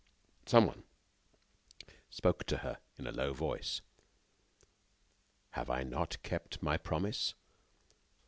Some one spoke to her in a low voice: "Have I not kept my promise?"